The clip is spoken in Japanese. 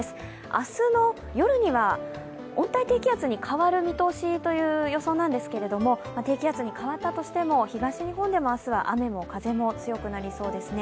明日の夜には温帯低気圧に変わる見通しという予想なんですが低気圧に変わったとしても東日本でも明日も雨も風も強くなりそうです。